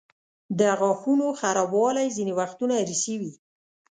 د غاښونو خرابوالی ځینې وختونه ارثي وي.